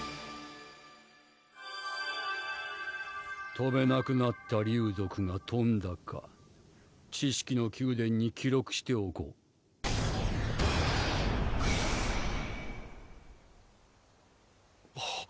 とべなくなった竜族がとんだか知識の宮殿に記録しておこうあっ